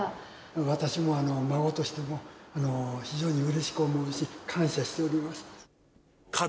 私も孫として非常にうれしく思うし感謝しております。